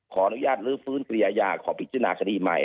ขอนุญาตรื้อฟื้นพรียายาขอปริจินาชนีธิใหม่